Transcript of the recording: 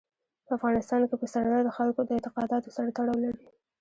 په افغانستان کې پسرلی د خلکو د اعتقاداتو سره تړاو لري.